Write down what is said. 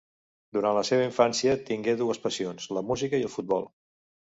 Durant la seva infància, tingué dues passions: la música i el futbol.